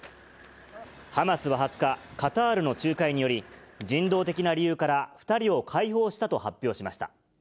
ハマスは２０日、カタールの仲介により、人道的な理由から２人を解放したと発表しました。